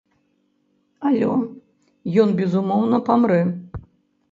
Алё ён безумоўна памрэ.